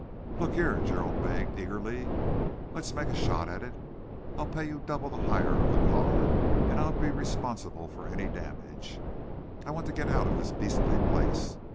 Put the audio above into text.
"Look here," Gerald begged eagerly, "let's make a shot at it. I'll pay you double the hire of the car, and I'll be responsible for any damage. I want to get out of this beastly place.